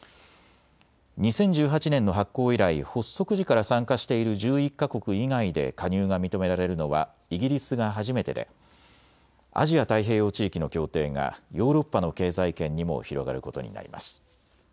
２０１８年の発効以来、発足時から参加している１１か国以外で加入が認められるのはイギリスが初めてでアジア太平洋地域の協定がヨーロッパの経済圏にも広がることになります。